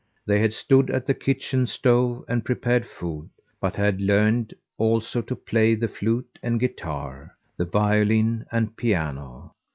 They had stood at the kitchen stove and prepared food, but had learned, also, to play the flute and guitar, the violin and piano.